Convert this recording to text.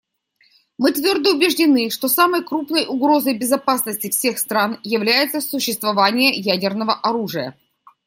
Мы твердо убеждены, что самой крупной угрозой безопасности всех стран является существование ядерного оружия.